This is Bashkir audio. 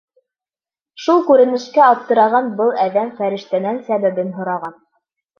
Шул күренешкә аптыраған был әҙәм фәрештәнән сәбәбен һораған.